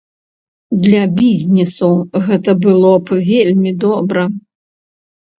Для бізнесу гэта было б вельмі добра.